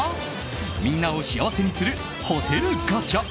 みんなを幸せにするホテルガチャ。